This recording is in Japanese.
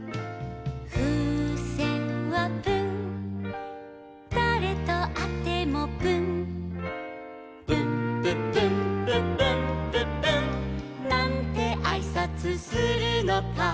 「ふうせんはプンだれとあってもプン」「プンプンプンプンプンプンプン」「なんてあいさつするのか」